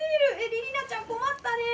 りりなちゃん、困ったね！